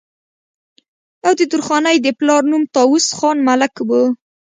او د درخانۍ د پلار نوم طاوس خان ملک وو